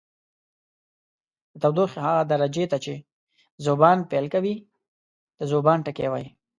د تودوخې هغه درجې ته چې ذوبان پیل کوي د ذوبان ټکی وايي.